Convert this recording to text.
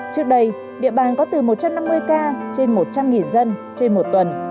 trước đây địa bàn có từ một trăm năm mươi ca trên một trăm linh dân trên một tuần